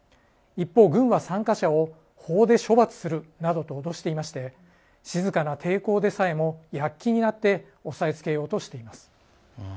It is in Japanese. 一方軍は参加者を法で処罰するなどと脅していまして静かな抵抗でさえも躍起になって抑えつけようとしています。